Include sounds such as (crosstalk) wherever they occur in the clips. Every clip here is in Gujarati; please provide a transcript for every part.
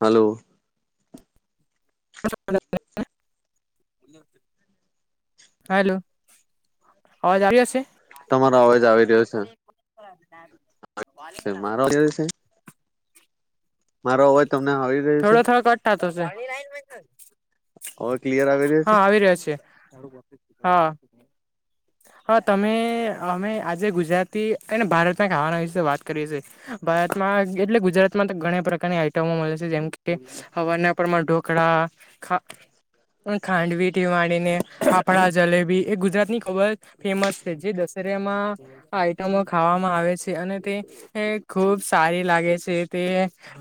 હલો! (inaudible) (unintelligible) હેલો આવાજ આવી રહીયો છે.? તમારો અવાજ આવી રહ્યો (inaudible) છે મારો (unintelligible) આવી રહ્યો છે મારો અવાજ તમને આવી રહ્યો છે થોડો થોડો કટ થા તો તો. હવે ક્લિયર આવી રહ્યો છે હા આવી રહ્યો છે હા હા તમે અમે આજે ગુજરાતી અને ભારતમાં ખાવાના વિશે વાત કરીએ છીએ. ભારતમાં એટલે ગુજરાતમાં તો ઘણી પ્રકારની આઈટમો મળે છે જેમ કે હવાના પોરમા ઢોકળા, પણ ખાંડવી થી માંડી ને પાપડા, જલેબી એ ગુજરાત ની ખબર ફેમસ છે. જે દશેરામાં આઈટમો ખાવામાં આવે છે અને તે એ ખુબ સારી લાગે છે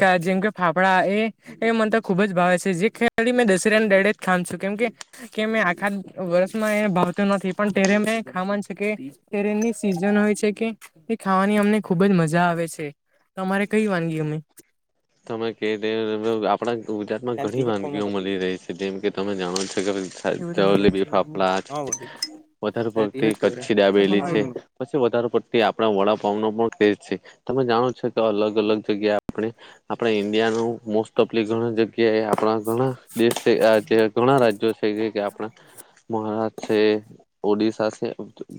તે જેમ કે ફાફડા એ એ મનતો ખુબ જ ભાવે છે, જે ખેલા ડી મે દશેરાને દડે જ ખામ છું કેમ કે કે મે આખા વર્ષમાં એને ભાવતુ નથી પણ તેરે ખાવાનું છે કે તેરેની સિઝન હોય છે કે એ ખાવાની અમને ખુબ જ મજા આવે છે અમારે કઈ વાનગી અમે (inaudible) (unintelligible) આપણા ગુજરાતમાં ઘણી વાનગીઓ મળી રહી છે જેમ કે તમે જાણો છો કે જલેબી, ફાફડા છે, હા (inaudible) (unintelligible) વધારે પડતી કચ્છી ડાબેલી છે. પછી વધારે પડતી આપણા વડાપાવનો પણ તેજ છે. તમે જાણો છો કે અલગ અલગ જગ્યા આપણે આપણા ઈન્ડિયાનું મોસ્ટ ઓફલી ઘણા જગ્યા કે આપણા ઘણા દેશ છે જે ઘણા રાજ્યો છે કે કે આપણા મહારાષ્ટ્ર છે, ઓડિશા છે,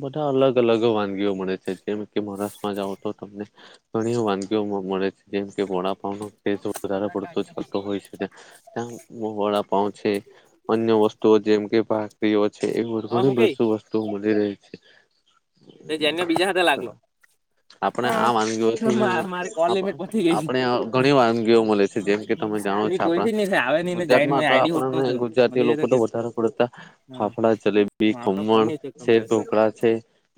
બધા અલગ અલગ વાનગીઓ મળે છે જેમ કે મહારાષ્ટ્રમાં જાઓ તો તમને ઘણી વાનગીઓ મળે છે જેમ કે વડા વધારે પડતો ચાલતો હોય છે, ત્યાં વડાપાઉં છે અન્ય વસ્તુઓ જેમ કે ભાખરીઓ છે એવી ઘણી બધી વસ્તુઓ મળી રહી છે. તોને બીજા હા લાગે. આપણે આ વાનગીઓથી આપણે., ઘણી વાનગીઓ મળે છે જેમ કે તમે જાણો છો કોઈથી આપણા ગુજરાતમાં તો આપણાને ગુજરાતી લોકો તો વધારે. ડતા ફાફડા જલેબી ખમમણ છેેર ઢોકડા છે.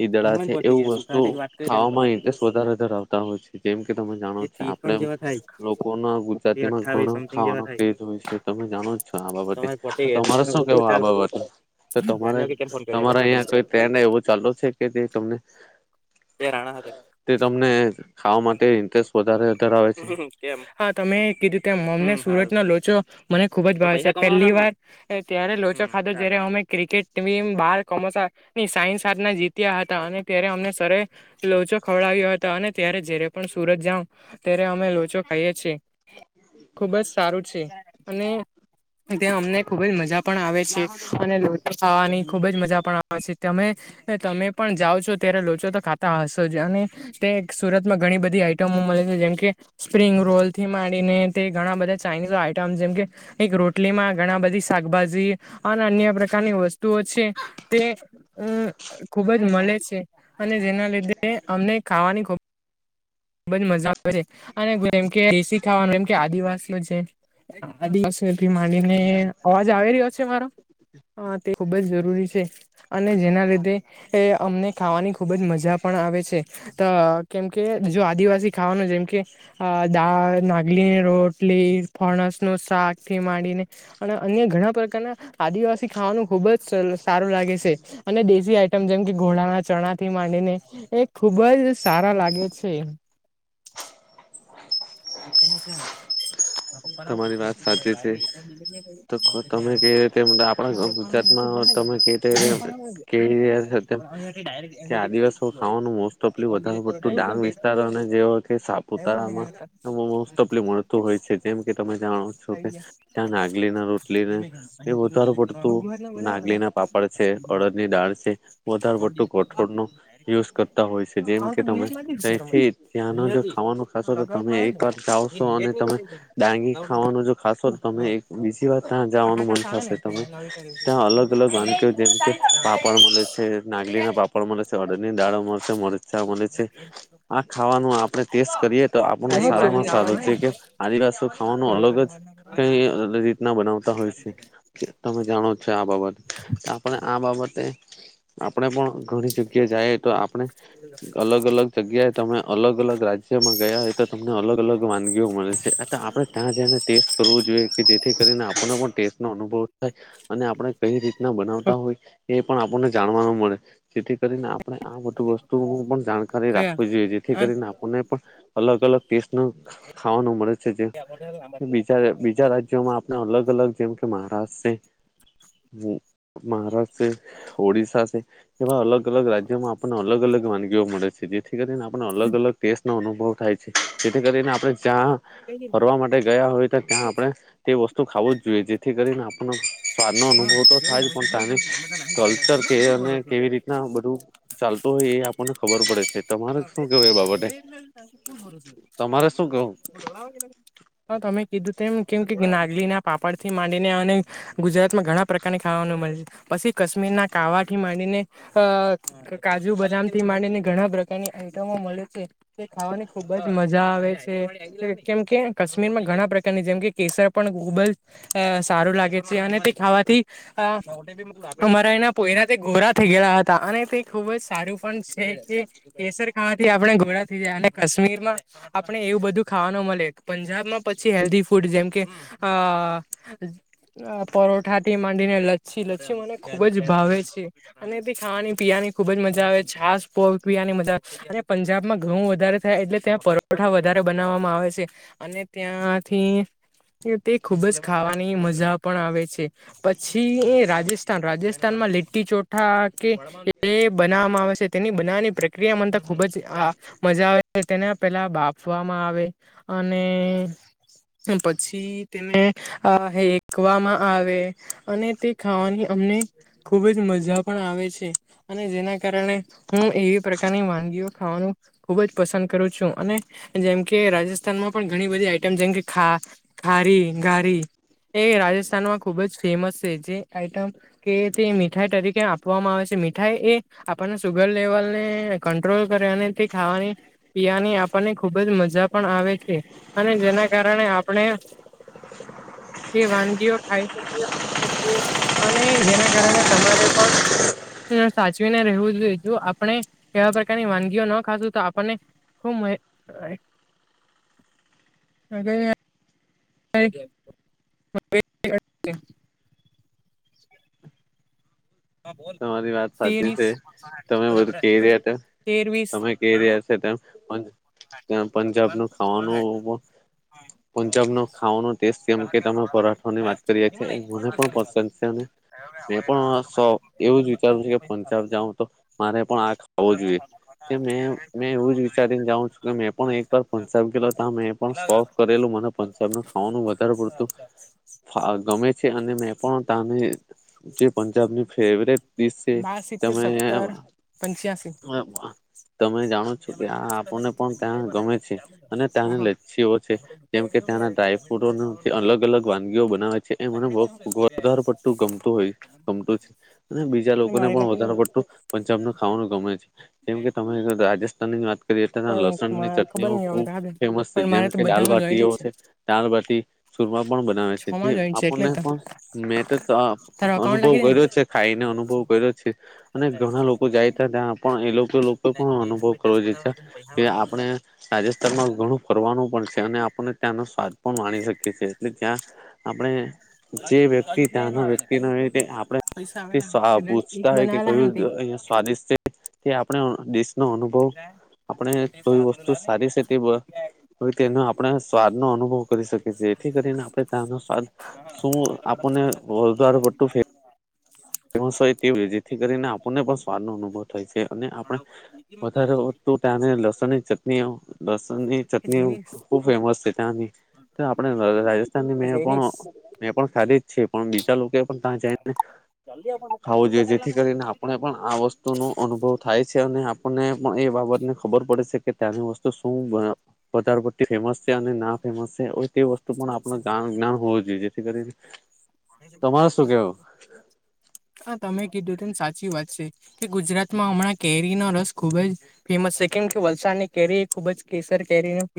ઈદડા છે એવ વસ્તુ ખાવામાં રતે વધારે ધરાવતા હોય છે જેમ કે તમે જાણો છ? પણ જેવા થાય. લોકોના ગુજરાતીમાં ઘણો ખાવાનો ક્રેઝ હોય છે તમે જાણો જ છો આ બાબતે. તો તમારે શું કેવું આ બાબતે હતો તો તમારે તમારે અહ્યા કોઈ પર ને એવું ચાલુ છે. કે તે તમને. તે રાણા હાથે તે તમને ખાવા માટે ઇન્ટરેસ્ટ વધારે ધરાવે છે. કેમ. હા તમે કીધું તેમ અમને સુરતનો લોચો મને ખુબ જ ભાવ છે પહેલી વાર. એ ત્યારે લોચો ખાધો જયારે અમે ક્રિકેટ ટીમ બાર કમોસા ની સાઈન સાતના જીત્યા હતા અને ત્યારે અમને સરે લોચો ખવડાવ્યો હતો. અને ત્યારે જય્યારે પણ સુરત જાઉ ત્યારે અમે લોચો ખાઈએ છીએ ખુબ જ સારું છે અને ત્યાં અમને ખુબ જ મજા પણ આવે છે. અને લોચો ખાવાની ખુબ જ મજા પણ આવે છે. તમે ને તમે પણ જાઓ છો ત્યારે લોચો તો ખાતા હશો જ અને તે સુરતમાં ઘણી બધી આઈટમો મળે છે જેમ કે સ્પ્રિંગ રોલ થી માંડીને તે ઘણા બધા ચાઇનીઝ આઈટમ જેમ કે એક રોટલીમાં ઘણા બધી શાકભાજી અને અન્ય પ્રકારની વસ્તુઓ છે તે અમ ખુબ જ મળે છે અને જેના લીધે અમને ખાવાની ખૂબ મને મજા પડે અને જેમ કે દેશી ખાવાનું એમ કે આદિવાસીઓ છે. અદિક (unintelligible) માંડીને અવાજ આવી રહ્યો છે મારો. હા તે ખુબ જ જરૂરી છે. અને જેના લીધે એ અમને ખાવાની ખુબ જ મજા પણ આવે છે. તો કેમકે જો આદિવાસી ખાવાનો જેમ કે અ દાળ નાગલી ને રોટલી ફણસનું શાકથી માંડીને અને અન્ય ઘણા પ્રકારના આદિવાસી ખાવાનું ખુબ જ સ સારું લાગે છે. અને દેશી આઈટમ જેમ કે ઘોડાના ચણા થી માંડીને એ ખુબ જ સારા લાગે છે. છે. (inaudible) મા પપ્પા ને હો તમારી પોઈચુ મે વાત કે સાચી છે ડાયરેક્ટ (unintelligible) મેસેજ ની આયો. ને તારા પપ્પા. ગુજરાતમા તમે કે કેહ તેમ કે આદિવાસી ખાવાનું મોસ્ત ટોપલી વધારે પડતું ડાંગ વિસ્તાર અને જેવ કે સાપુતારામાં. કયા મો મોસ્ટઓફલી મળતું હોય છે. જેમ કે તમે જાણો છો કે ત્યાં નાગલીના રોટલીને એ વધાર પડતું નાગલીના પાપડ છે, અડદની દાળ છે. વધારે પડતું કઠોળનો યુઝ કરતા હોય છે. જેમ કે તમે તૈથી ત્યાંનો જો ખાવાનું ખાશો તો તમે એક વાર ચાવશો છો અને તમે ડાંગી ખાવાનું જો ખાશો તો તમે એક બીજી વાર ત્યાં જવાનું મન થશે તમે. ત્યાં અલગ-અલગ વાનકીઓ જેમ કે પાપડ મળે છે, નાગલી ના પાપડ મળે છે, અડદની દાળો મળે છે મળે. અચ્છા મને છે. આ ખાવાનું આપડે ટેસ્ટ કરીયે તો આપણુને સારામાં સારુ છે કે આદવાસીઓ. ખાવાનું અલગ જ કઈ અલગ રીતના બનાવતા હોય છે. તમે જાણો છો આ બાબતે. આપણે આ બાબતે. આપણે પણ ઘણી જગ્યાયે જાય તો આપણે અલગ અલગ. જગ્યાએ તમે અલગ-અલગ રાજ્યમાં ગયા હોય તો તમને અલગ-અલગ વાનગીઓ મળે છે. આપણે ત્યાં જ્યાંને ટેસ્ટ કરવું જોઈએ કે જેથી કરીને આપણને પણ ટેસ્ટ નો અનુભવ થાય. અને આપણે કઈ રીતના બનાવતા હોય એ પણ આપુંણને જાણવાનું મળે. જેથી કરીને આપણે આ બધુ વસ્તુું પણ જાણકારી રાખવી જોઈએ જેથી કરીને આપણને પણ અલગ-અલગ દેશનું ખાવાનું મળે છે જે બીજા બીજા રાજ જેમાં આપણે અલગ-અલગ જેમ કે મહારાષ્ટ છે હું મહારાષ્ટ્ર છે, ઓડિશા છે. એવા અલગ અલગ રાજ્યોમા આપણને અલગ-અલગ વાનગીઓ મળે છે જેથી કરીને આપણને અલગ-અલગ ટેસ્ટ નો અનુભવ થાય છે. જેથી કરીને આપણે જ્યાં ફરવા માટે આપ ગયા હોય તો ત્યાં આપણે તે વસ્તુ ખાવું જ જોઈએ જેથી કરીને સ્વાદ નો અનુભવ તો થાય જ પણ તને કલ્ચર કે અને કેવી રીતે ના બધું ચાલતું હોય એ આપણને ખબર પડે છે તમારે હા શું કેવું એ બાબતે તમારે શું કેવું (unintelligible) હા તમે કીધું તેમ કેમ કે નાગલી ના પાપડ થી માંડીને અને ગુજરાત માં ઘણા પ્રકારની ખાવાનું મળે છે પછી કાશ્મીરના કાવા થી માંડીને અ કાજુ બદામથી માંડીને ઘણા પ્રકારની આઈટમો મળે છે. તે ખાવાની ખુબ જ મજા આવે છે. કેમ કે કાશ્મીર માં ઘણા પ્રકારની જેમ કે કેસર પણ ખૂબ જ અ સારું લાગે છે અને તે ખાવાથી મરાયના પોઈના તે ઘોરા થઈ ગયા હતા અને તે ખુબ જ સારું પણ છે કે કેસર ખાવાથી આપણે ઘોડા થઈ જય અને કાશ્મીર માં આપણે એવું બધું ખાવાનું મળે પંજાબમાં પછી હેલ્ધી ફૂડ જેમ કે હા. પરોઠાટી માંડીને લચ્છી લચ્છી મને ખુબ જ ભાવે છે. અને તે ખાવાની પીવાની ખુબજ મજા આવે છે છાસ પો પીવાની મ અને પંજાબમાં ઘઉું વધારે થાય એટલે ત્યાં પરોઠા વધારે બનાવવામાં આવે છે. અને ત્યાંથી તે ખુબ જ ખાવાની મજા પણ આવે છે. પછી એ રાજેશ રાજસ્થાનમાં લીટી ચોઠા કે જે બનાવામાં આવે છે તેની બનાવવાની પ્રક્ર ક્રિયા મનતા ખુબ જ મજા આવે તેના પેલા બાફવામાં આવે અને પછી તેને આ હેકવામાં આવે અને તે ખાવાની અમને ખુબ જ મજા પણ આવે છે અને જેના કારણે હું એવી પ્રકાર વામાંનગી ઓ ખાવાનું ખુબ જ પસંદ કરું છું અને જેમ કે રાજસ્થાનમાં પણ ઘણી બધી આઈટમ જેમ કે ખા ખારી ઘારી એ રાજસ્થાનમાં ખુબ જ ફેમસ છે જે આઈટમ કે તે મીઠાઈ તરીકે આપવામાં આવે છે મીઠાઈ એ આપણને સુગર લેવલ ને કંટ્રોલ કરે અને તે ખાવાની પીવાની આપને ખુબ જ મજા પણ આવે છે. અને જેના કારણે આપણે જે વાનગીઓ ખાઈ શકીએ અને જેના કારણે તમારે પણ સાચવીને રહેવું જોઈએ જો આપણે કેવા પ્રકારની વાનગીઓ ન ખાશું તો આપણને ખૂબ અ (unintelligible) થ (unintelligible) તમારી વાત સાચી તેવીસ છે તમે બધું ક રહ્યા હતા તેરવીસ તમે ક રહ્યા છે તેમ ત પંજાબ ન ખાવાનું પંજાબનો ખાવાનો ટેસ્ટ જેમ કે તમે પરાઠાની વાત કરી મને પણ પસંદ છે. જે (unintelligible) એવું જ વિચારવું જોઈએ પંચાબ જાવું તો મારે પણ આ ખાવું જોઈએ કે મે મેં એવું જ વિચારીને જાઉં છું કે મેં પણ એક વાર પંચબ ગેલો ત મે પણ સ કરેલું મને પંચાબ ન ખાવાનું વધારે પડતું ગમે છે અને મેં પણ ત્યાં ની જે પંજાબની ફવટ છે બાર સિત્તેર સત્તર પંચ્યાસી તમે તમે જાણો આપણને પણ ત્યાં ગમે છે અને હા ત્યાંની લચછીઓ છે જેમ કે ત્યાંના ડ્ર જે અલગ અલગ વાનગીઓ બનાવે છે એ મને વધારે પડતું ગમતું હોય ગમતું છે. અને બીજા હા લોકોને મારી પણ લખી વધારે પડતું પંજાબ નું ખાવાનું ગમે છે જેમ કે રાજસ્થાનની વાત પણ લસણ ની ખબર ચટણી નહ હવે ખુબ રાહ ફેમસ પણ છે મારે જેમ તો કે બધામાં જોઈન્ટ દાલભાટીઓ જ છે. દાળ બાટી ચૂરમાં પણ બનાવે છ છે જે માં જોઈન્ટ છે એટલે આપણને પણ મે તો તારો અકાઉન્ટ અનુભવ લખી દે ને કર્યો છે ખાઈને અનુભવ કર્યો છે અને ઘણા લોકો જાયતા ત્યાં પણ એ લોકો લોકો પણ અનુભવ કરવો જો કે આપણે રાજસ્થાનમાં ઘણું ફરવાનું પણ છે અને આપને ત્યાંનો સ્વાદ પણ વાણી શકીએ છીએ એટલે ત્યાં આપણે જે વ્યક્તિ ત્યાનો વ્યક્તિ ન હો આપડે પૈસા તે આવેલા સા એક પૂછતા હોય કે બનાવેલા કહ્યું ને અહિયાયા સ્વાદિષ્ટ છે તે આપણે દેશ નો અનુભવ આપણે કોઈ વસ્તુ સારી શકી તેનો આપણે સ્વાદ નો અનુભવ કરી શકીએ જેથી કરીને આપે તનો સ્વાદ શું આપડને વધારે પરંતુ ફેમસ ય તે જેથી કરીને આપણને પણ સ્વાદ નો અનુભવ થાય છે અને આપણે વધારે તું ત્યાને લસણની ચટણીઓ લસણની ચટણીઓ જનીશ ખુબ ફેમસ છે ત્યાંની તો આપણે રાજસ્થાનની મે પણ જનીશ એ પણ ખાલી છે પણ બીજા લોકો પણ ત્યાં જાય ને જલ્દી આવ આપને (unintelligible) લાગુંને બ આપણે પણ આ વસ્તુ નો અનુભવ થાય છે અને આપણને પણ એ બાબતને ખબર પડે છે કે ત્યાંની વસ્તુ શું વધારે પડતી ફેમસ છે અને ના ફેમસ છે તે વસ્તુ પણ આપણ જાન જ્ઞાન હોવ જોઈએ જેથી કરીને તમારે શું કેવું હા તમે કીધું તેમમ સાચી વાત છે કે ગુજરાતમાં હમણાં કેરીનો રસ ખુબ જ ફેમસ છે કેમ કે વલસાડની કેરી એ ખુબ જ કેસર કેરી ન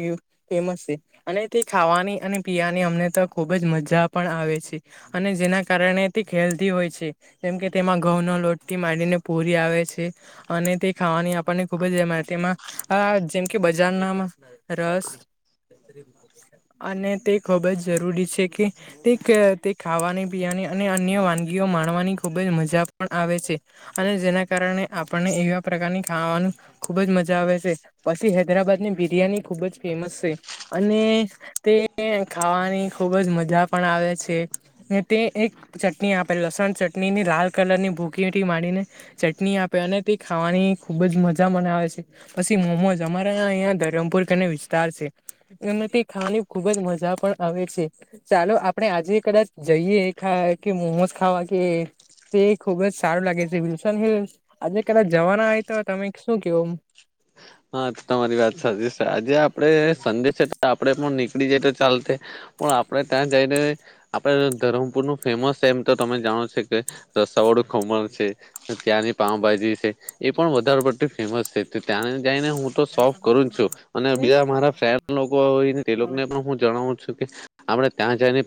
ફેમસ છે અને તે ખાવાની અને પીવાની અમને તો ખૂબ જ મજા પણ આવે છે અને જેના કારણે તે હેલ્ધી હોય છે જેમ કે તેમાં ઘઉ ન લોટટી મારીને પૂરી આવે છે અને તે ખાવાની આપણને ખુબ જ એમ તેમાં આ જેમ કે બજારના રસ અને તે ખૂબ જ જરૂરી છે કે તે તે ખાવાની પીવાની અને અન્ય વાનગીઓ માણવાની ખુબ જ મજા પણ આવે છે અને જેના કારણે આપણને એવા પ્રકારની ખાવાનું ખુબ જ મજા આવે છે પછી હૈદરાબાદની બિરિયાની ખુબ જ ફેમસ છે અને તે ખાવાની ખુબ જ મજા પણ આવે છે ને તે એક ચટણી આપે લસણ ચટણીની લાલ કલરની ભૂખેથી માંડીને ચટણી આપે અને તે ખાવાની ખુબ જ મજા મનાવે છે પછી મોમોઝ અમારા અહિયા ધરમપુર કરીને વિસ્તાર છે એમની તે ખાવાની ખુબ જ મજા પણ આવે છે ચાલો આપણેે આજે કદાચ જઈએા કે મોમોઝ ખાવા કે તે ખુબ જ સારું લાગે છે વિલ્સન હિલસ આજે કદા જવાના આય તો તમે શું કહોમ હા તમારી વાત સાચ છે આજે આપડે સેન્ડી છે તો આપડે પણ નીકળી જાય તો ચાલ પણ આપણેે ત્યાં જઈને આપડે ધરમપુર નું ફેમસ છે એમ તો તમે જાણો છો કે રસાવાડું ખમણ છે ત્યાંની પાઉભાજી છે એ પણ વધારે પડતી ફેમસ છે ત્યાં જઈને હું તો સોવ કરું છું અને બીજા મારા ફેર લોકો હોયને તે લોકોને પણ હું જણાવું છું કે આપડે ત્યાં જઈને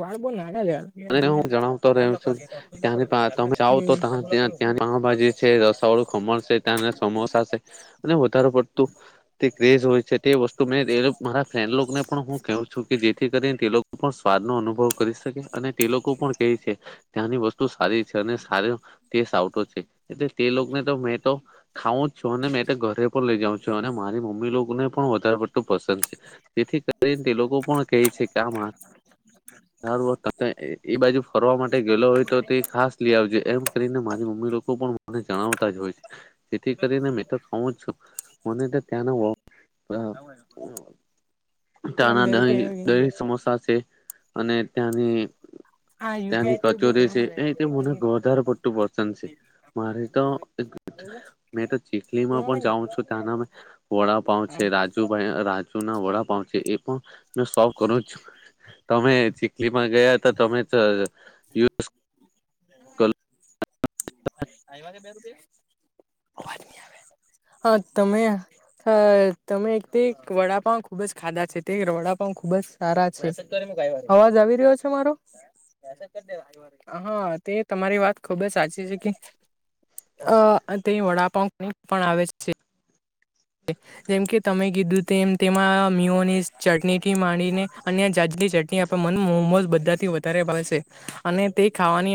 વાળ બો નાના છે ત હું જણાવતો રહ્યો છું ત્યાંની તમે જાઓ હમ તો ત ત્યા ત્યાં પાાવભાજી છે રસા વાળું ખમણ છે ત્યાં સમોસા છે અને વધારે પડતું. તે ક્રેઝ હોય છે તે વસ્તુ મે મારા ફ્રેન્ડને પણ હું કહું છું કે જેથી કરીને તે. પણ સ્વાદ નો અનુભવ કરી શકે અને તે લોકો પણ કે છે ત્યાંની વસ્તુ. સારી છે અને સારો ટેસ્ટ આવતો છે એટલે તે લોક ને મે તો. ખાવું છું અને મેં ઘરે પણ લઇ જાઉં છું અને મારી મમ્મી લોકો ને પણ વધારે પટતું પસંદ છે. તેથી કરીને તે લોકો પણ કહે છે કામ સારું. તમે એ બાજુ ફરવા માટે ગયેલો હોય તો તે ખાસ. આવજે એમ કરીને મારી મમ્મી લોકો પણ મને જણાવતા જ હોય છે. જેથી કરીને મેં તો ખઉું જ છું મને ત્યાં. પેલા બે ત દહી રૂપિયા આવ્યા દહી સમસ્યા છે. અને ત્યાંની. હા ત્યાંની યુપીઆઈ તો બહુ કચોરી છે, ઘણામાં એ મને ગોધાર પટ્ટું પસંદ છે. મારે તો મેં તો ચીટલીમાં પણ જાઉં લાગે છું ત્યાંના વડાપ છે, રાજ. રાજુભાઈ રાજુ ના વડાપાવ છે, એ પણ. સો કરુંું તમે ચીખલીમાં ગયા તો તમે ય. વા કે બે રૂપ. હા તમ. અ તમે એક તે વડાપાવ ખુબ જ ખાધા છે, તે વડાપાવ ખુબ જ. સારા છે, અવાજ આવી રહ્યો છે, મારો હા. તે તમારી વાત ખુબ જ સાચી છે, કે. અ તે વડાપં પણ આવે છે. જેમકે તમે કીધું તેમ તેમાં મીહોની ચટણીથી માંડીને. અને જાાજની ચટણી આપે મન મોમોઝ બધાથી વધારે ભશે અને તે ખાવાની.